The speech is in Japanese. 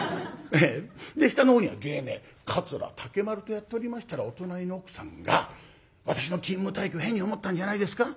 で下のほうには芸名「桂竹丸」とやっておりましたらお隣の奥さんが私の勤務体系を変に思ったんじゃないですか？